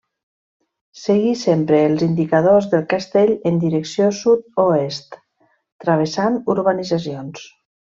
Seguir sempre els indicadors del castell en direcció sud-oest travessant urbanitzacions.